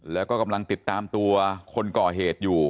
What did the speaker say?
แล้วก็ติดตามตัวคนก่อเหตุอยู่